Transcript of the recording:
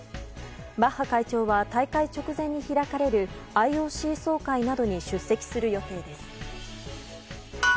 バッハ会長は大会直前に開かれるＩＯＣ総会などに出席する予定です。